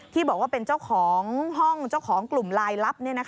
ที่บอกว่าเป็นเจ้าของห้องเจ้าของกลุ่มลายลับ